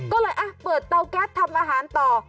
ก็เลยเปิดเตาแก๊สทำอาหารต่อ